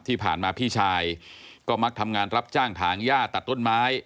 ที่ผ่านมาพี่ชายก็มักทำงานรับจ้างถางย่าตัดต้นไม้